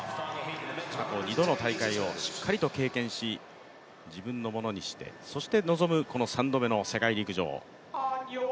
過去２度の大会をしっかりと経験し、自分のものにして、そして臨む３度目の世界陸上。